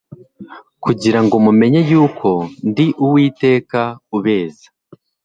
kugira ngo mumenye yuko ndi Uwiteka ubeza